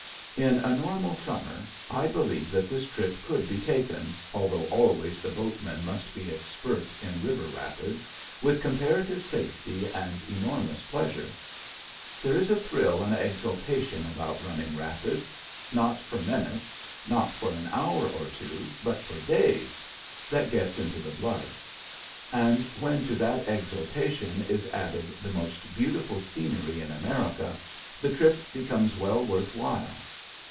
In a normal summer, I believe that this trip could be taken although always the boatmen must be expert in river rapids with comparative safety and enormous pleasure. There is a thrill and exultation about running rapids not for minutes, not for an hour or two, but for days that gets into the blood. And when to that exultation is added the most beautiful scenery in America, the trip becomes well worth while.